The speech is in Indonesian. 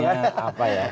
tim kampanye apa ya